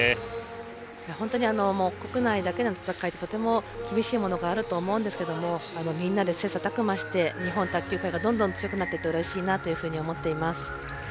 本当に国内だけの戦いでもとても厳しいものがあると思うんですがみんなで切磋琢磨して日本卓球界がどんどん強くなっていくとうれしいなと思っています。